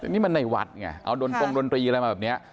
นี่มันในวัดไงเอาดนตรงดนตรีอะไรมาแบบนี้